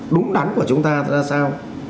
đúng đắn của chúng ta là sao